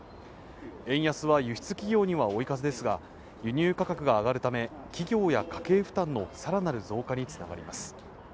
円安は、輸出企業には追い風ですが輸入価格が上がるため企業や家計負担の更なる増加につながります。